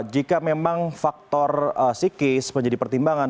jika memang faktor psikis menjadi pertimbangan